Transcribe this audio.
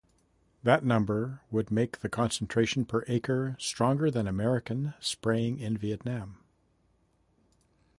That number would make the concentration per acre stronger than American spraying in Vietnam.